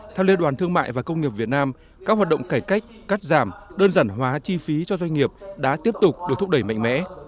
theo liên đoàn thương mại và công nghiệp việt nam các hoạt động cải cách cắt giảm đơn giản hóa chi phí cho doanh nghiệp đã tiếp tục được thúc đẩy mạnh mẽ